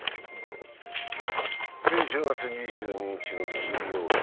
１０月２２日の金曜日。